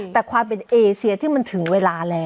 แต่ความเป็นเอเชียที่มันถึงเวลาแล้ว